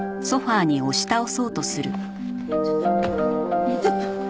ちょっとねえちょっと。